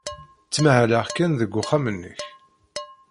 Ttmahaleɣ kan deg uxxam-nnek.